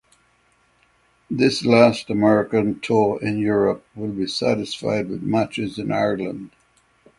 This last American tour in Europe will be satisfied with matches in Ireland.